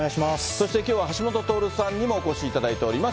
そしてきょうは橋下徹さんにもお越しいただいております。